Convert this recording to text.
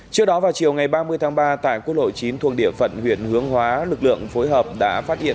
trước đó vào chiều ngày ba mươi tháng ba tại quốc lộ chín thuồng địa phận huyện hướng hóa lực lượng phối hợp đã phát hiện